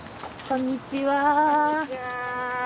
こんにちは。